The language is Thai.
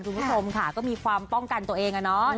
คุณผู้ชมค่ะก็มีความป้องกันตัวเองอะเนาะ